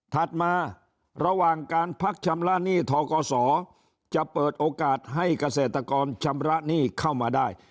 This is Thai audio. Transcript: ถัดมาระหว่างการพักชำระหนี้ทกศจะเปิดโอกาสให้เกษตรกรชำระหนี้เข้ามาได้